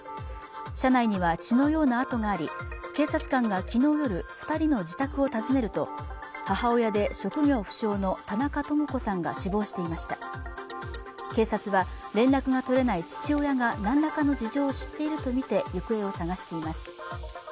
車内には血のような跡があり警察官が昨日夜二人の自宅を訪ねると母親で職業不詳の田中智子さんが死亡していました警察は連絡が取れない父親がなんらかの事情を知っているとみて行方を捜しています